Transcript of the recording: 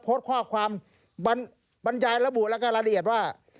โพสต์ข้อความบรรยายระบุแล้วก็รายละเอียดว่า